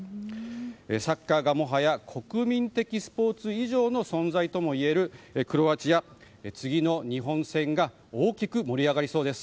サッカーがもはや国民的スポーツ以上の存在ともいえるクロアチア、次の日本戦が大きく盛り上がりそうです。